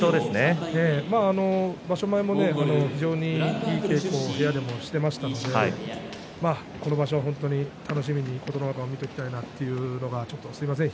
場所前も、いい稽古を部屋でもしていましたのでこの場所、本当に楽しみに琴ノ若を見たいなというのがすいません